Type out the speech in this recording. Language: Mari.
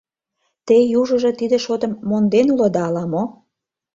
Те, южыжо, тиде шотым монден улыда ала-мо.